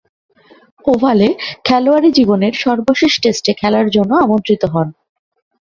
ওভালে খেলোয়াড়ী জীবনের সর্বশেষ টেস্টে খেলার জন্যে আমন্ত্রিত হন।